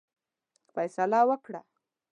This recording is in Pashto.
فیصله وکړه.